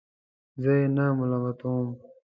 زه یې نه ملامتوم.